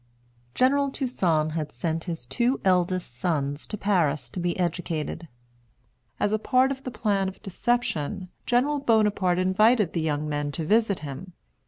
General Toussaint had sent his two eldest sons to Paris to be educated. As a part of the plan of deception, General Bonaparte invited the young men to visit him.